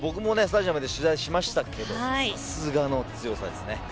そうですね、僕もスタジアムで取材しましたけどさすがの強さですね。